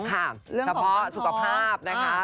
เฉพาะสุขภาพนะคะ